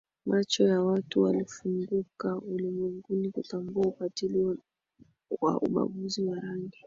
Macho ya watu walifunguka ulimwenguni kutambua ukatili wa ubaguzi wa rangi